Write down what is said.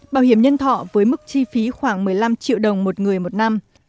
bảo hiểm nhân thọ với mức chi phí khoảng một mươi năm triệu đồng một người một năm